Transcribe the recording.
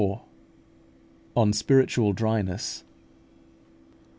ON SPIRITUAL DRYNESS.